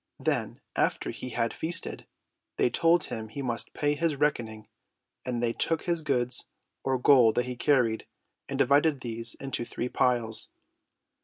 Then, after he had feasted, they told him he must pay his reckoning, and they took his goods or gold that he carried and divided these into three piles.